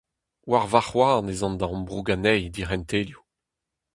War varc'h-houarn ez an da ambroug anezhi d'he c'hentelioù.